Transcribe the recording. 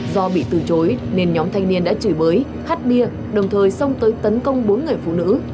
do bị từ chối nên nhóm thanh niên đã chửi bới hắt bia đồng thời xông tới tấn công bốn người phụ nữ